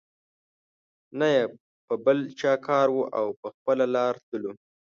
نه یې په بل چا کار وو او په خپله لار تللو.